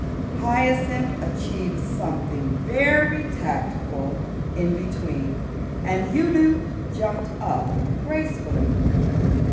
Hyacinth achieved something very tactful in between, and Udo jumped up gracefully.